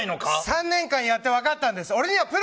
３年間やって分かったんです。